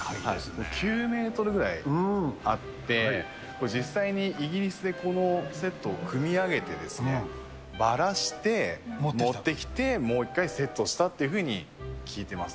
９メートルぐらいあって、これ実際にイギリスでこのセットを組み上げて、ばらして持ってきて、もう一回セットしたっていうふうに聞いてます。